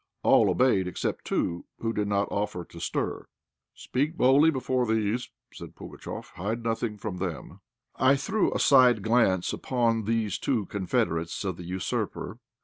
All obeyed except two, who did not offer to stir. "Speak boldly before these," said Pugatchéf; "hide nothing from them." I threw a side glance upon these two confederates of the usurper.